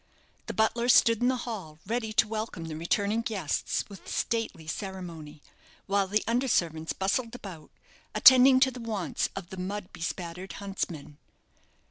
The butler stood in the hall ready to welcome the returning guests with stately ceremony; while the under servants bustled about, attending to the wants of the mud bespattered huntsmen.